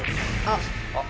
あっ。